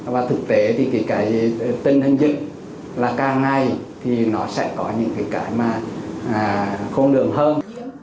và thực tế thì cái cái tinh hình dịch là càng ngày thì nó sẽ có những cái cái mà không được hơn